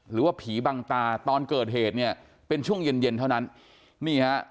หรือว่าผีบังตาตอนเกิดเหตุเนี่ยเป็นช่วงเย็นเย็นเท่านั้นนี่ฮะ